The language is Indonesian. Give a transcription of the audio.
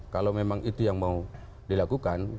kalau memang itu yang mau dilakukan